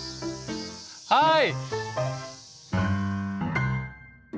はい！